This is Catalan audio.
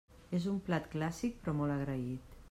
És un plat clàssic, però molt agraït.